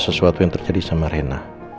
sesuatu yang terjadi sama rena